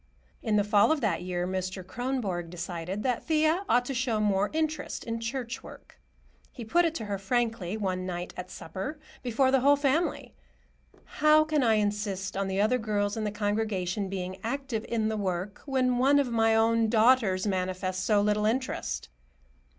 In the fall of that year, Mr. Kronborg decided that Thea ought to show more interest in church work. He put it to her frankly, one night at supper, before the whole family. "How can I insist on the other girls in the congregation being active in the work, when one of my own daughters manifests so little interest?"